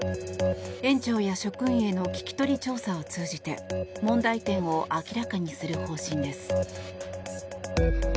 園長や職員への聞き取り調査を通じて問題点を明らかにする方針です。